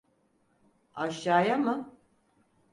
Aşağıya mı?